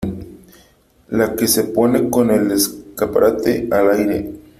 la que se pone con el escaparate al aire ...